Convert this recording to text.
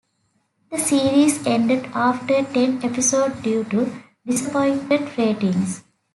The series ended after ten episode due to disappointing ratings.